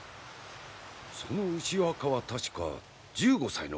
その牛若は確か１５歳の子供。